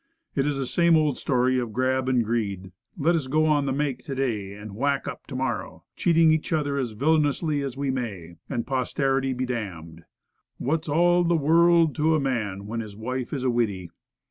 It is the same old story of grab 4 $6 Woodcraft. and greed. Let us go on the "make" to day, and "whack up" to morrow; cheating each other as villainously as we may, and posterity be d d. "What's all the w u u rld to a man when his wife is a widdy?"